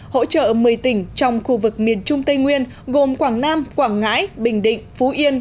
hỗ trợ một mươi tỉnh trong khu vực miền trung tây nguyên gồm quảng nam quảng ngãi bình định phú yên